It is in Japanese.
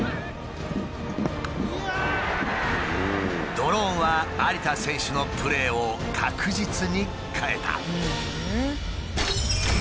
ドローンは有田選手のプレーを確実に変えた。